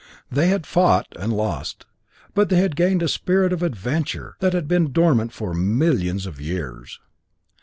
They had fought, and lost, but they had gained a spirit of adventure that had been dormant for millions of years.